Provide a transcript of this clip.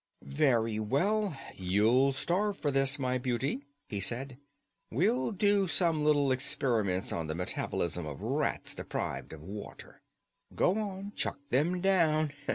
"Very well; you'll starve for this, my beauty!" he said. "We'll do some little experiments on the metabolism of rats deprived of water. Go on! Chuck them down!